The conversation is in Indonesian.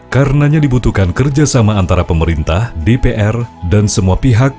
karenanya dibutuhkan kerjasama antara pemerintah dpr dan semua pihak